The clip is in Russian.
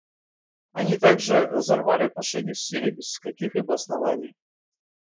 Они также разорвали отношения с Сирией без каких-либо оснований.